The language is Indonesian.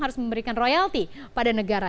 harus memberikan royalti pada negara